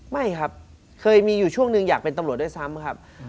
ไม่ครับเคยมีอยู่ช่วงหนึ่งอยากเป็นตำรวจด้วยซ้ำครับ